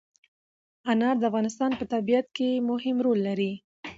انار د افغانستان په طبیعت کې مهم رول لري.